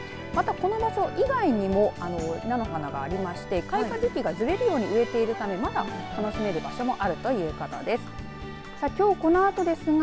また、この場所以外にも菜の花がありまして開花時期がずれるように植えているためまだ楽しめる場所あるということです。